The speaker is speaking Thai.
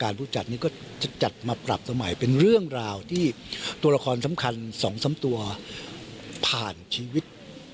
รู้จักนี้ก็จะจัดมาปรับสมัยเป็นเรื่องราวที่ตัวละครสำคัญ๒๓ตัวผ่านชีวิต